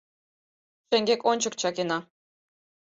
Шеҥгек-ончык чакена.